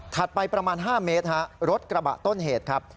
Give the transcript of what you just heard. ไปประมาณ๕เมตรรถกระบะต้นเหตุครับ